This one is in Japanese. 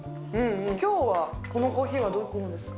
きょうはこのコーヒーはどこのですか？